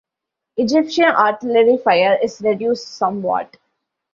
Egyptian artillery fire is reduced somewhat.